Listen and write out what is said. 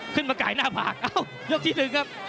ขึ้นมาไก่หน้าผากโอ้โฮยกที่๑ครับ